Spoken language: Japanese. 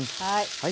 はい。